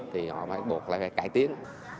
thì họ phải buộc lại phải cải tiến